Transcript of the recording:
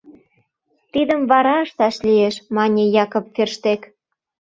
— Тидым вара ышташ лиеш, — мане Якоб Ферштег.